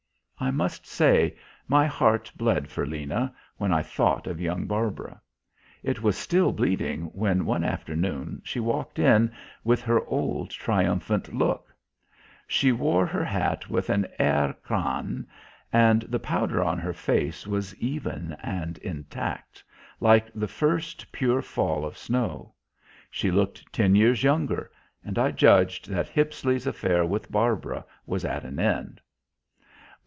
I must say my heart bled for Lena when I thought of young Barbara. It was still bleeding when one afternoon she walked in with her old triumphant look; she wore her hat with an air crâne, and the powder on her face was even and intact, like the first pure fall of snow. She looked ten years younger and I judged that Hippisley's affair with Barbara was at an end.